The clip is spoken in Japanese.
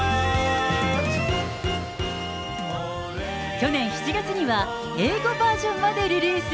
去年７月には英語バージョンまでリリース。